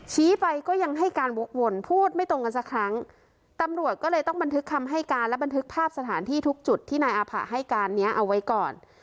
ไปก็ยังให้การวกวนพูดไม่ตรงกันสักครั้งตำรวจก็เลยต้องบันทึกคำให้การและบันทึกภาพสถานที่ทุกจุดที่นายอาผะให้การเนี้ยเอาไว้ก่อน